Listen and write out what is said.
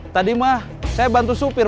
tadi mah saya bantu supir